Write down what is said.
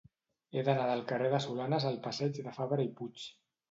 He d'anar del carrer de Solanes al passeig de Fabra i Puig.